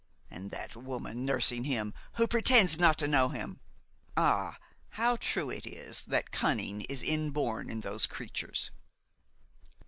And that woman nursing him, who pretends not to know him! Ah! how true it is that cunning is inborn in those creatures!"